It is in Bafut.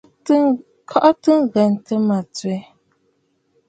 Kɔʼɔtə ŋghɛntə mə tswe.